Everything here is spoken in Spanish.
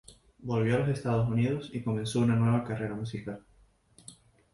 Volvió a los Estados Unidos y comenzó una nueva carrera musical.